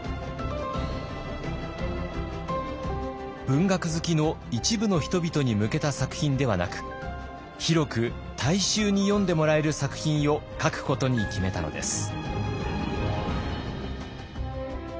文学好きの一部の人々に向けた作品ではなく広く大衆に読んでもらえる作品を書くことに決めたのです。